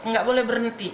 nggak boleh berhenti